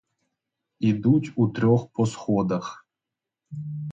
Ідуть утрьох по сходах.